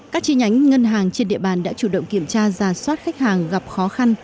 các chi nhánh ngân hàng trên địa bàn đã chủ động kiểm tra giả soát khách hàng gặp khó khăn